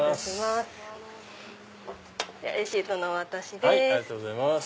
ありがとうございます。